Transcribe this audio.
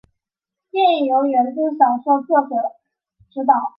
电影由原着小说作者执导。